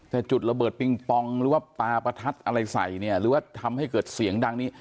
แต่จุดระเบิดปิงปองหรือว่าปลาประทัดอะไรใส่เนี่ยหรือว่าทำให้เกิดเสียงดังนี้